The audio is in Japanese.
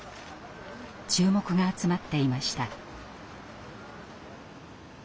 注目が集まっていました。